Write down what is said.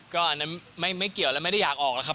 ก็อันนั้นไม่เกี่ยวแล้วไม่ได้อยากออกแล้วครับ